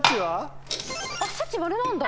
あっシャチ「○」なんだ！